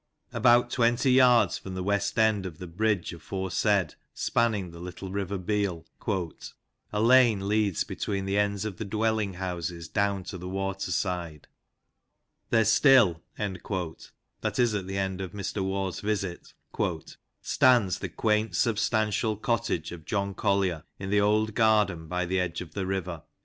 About twenty yards from the west end of the bridge aforesaid spanning the little river Beal, "a lane leads between the ends of the dwelling houses, down to the water side. There still." that is at the time of Mr Waugh's visit, " stands the JOHN COLLIER (" TIM BOBBIN^). 2^J quaint, substantial cottage of John Collier, in the old gar den by the edge of the river."